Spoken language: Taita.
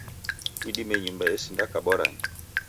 Idime nyumba esinda kabwa rangi